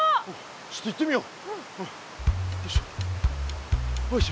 ちょっと行ってみよう。